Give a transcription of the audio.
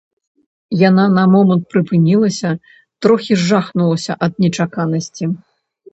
Яна на момант прыпынілася, трохі жахнулася ад нечаканасці.